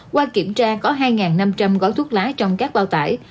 qua kiểm tra có hai năm trăm linh gói thuốc lá trong các bao tải